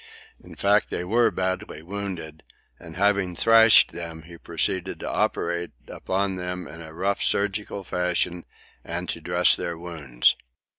In fact, they were badly wounded, and, having thrashed them, he proceeded to operate upon them in a rough surgical fashion and to dress their wounds.